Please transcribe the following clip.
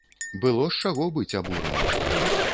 Было з чаго быць абураным.